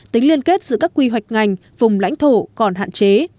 tính liên kết giữa các quy hoạch ngành vùng lãnh thổ còn hạn chế